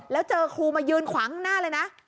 แล้วเจอครูมายืนขวางข้างหน้าเลยนะ